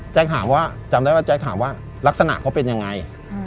ถามว่าจำได้ว่าแจ๊คถามว่าลักษณะเขาเป็นยังไง